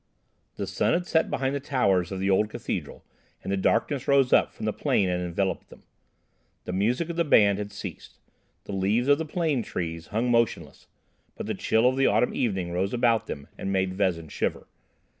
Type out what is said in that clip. The sun had set behind the towers of the old cathedral and the darkness rose up from the plain and enveloped them. The music of the band had ceased. The leaves of the plane trees hung motionless, but the chill of the autumn evening rose about them and made Vezin shiver.